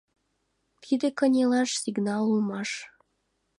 Тиде кынелаш сигнал улмаш.